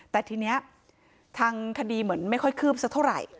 แต่ทีนี้ทางคดีเหมือนไม่ค่อยคืบสักเท่าไหร่